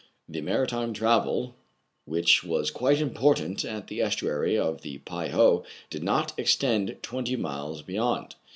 The maritime travel, which was quite important at the estuary of the Pei ho, did not extend twenty miles beyond.